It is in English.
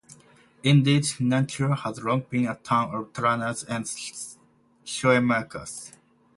Indeed, Nantua has long been a town of tanners and shoemakers.